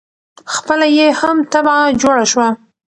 خپله یې هم تبعه جوړه شوه.